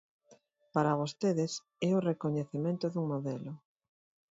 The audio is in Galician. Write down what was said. Para vostedes é o recoñecemento dun modelo.